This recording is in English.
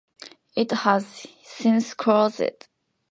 It has since closed.